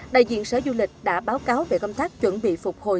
đại diện sở du lịch đã báo cáo về công tác chuẩn bị phục hồi